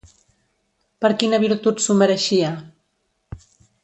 Per quina virtut s'ho mereixia?